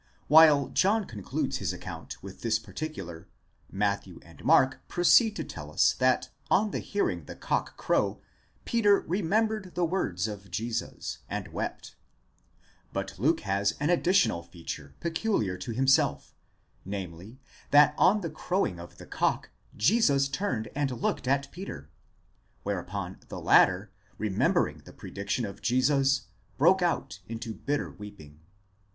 While John concludes his account with this par ticular, Matthew and Mark proceed to tell us that on hearing the cock crow, Peter remembered the words of Jesus and wept; but Luke has an additional feature peculiar to himself, namely, that on the crowing of the cock Jesus turned and looked at Peter, whereupon the latter, remembering the prediction of Jesus, broke out into bitter weeping.